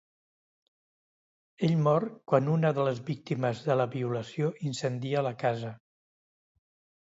Ell mor quan una de les víctimes de la violació incendia la sala.